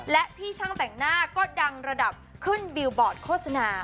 และพี่ช่างแต่งหน้าก็ดังระดับขึ้นบิลบอร์ดโฆษณา